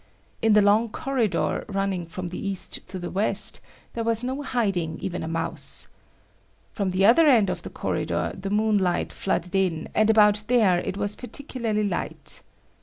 In the long corridor running from the east to the west, there was not hiding even a mouse. From other end of the corridor the moonlight flooded in and about there it was particularly light.